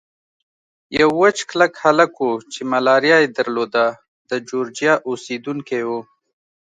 یو وچ کلک هلک وو چې ملاریا یې درلوده، د جورجیا اوسېدونکی و.